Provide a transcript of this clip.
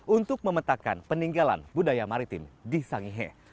untuk memetakkan peninggalan budaya maritim di sangihi